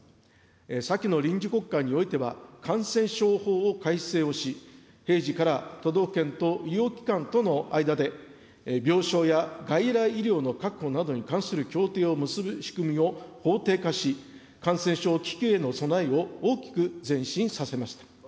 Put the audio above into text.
先の臨時国会においては、感染症法を改正をし、平時から都道府県と医療機関との間で病床や外来医療の確保などに関する協定を結ぶ仕組みを法定化し、感染症危機への備えを大きく前進させました。